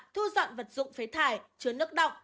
thu dọn vật dụng phế thải chứa nước động